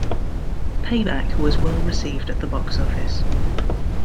"Payback" was well received at the box office.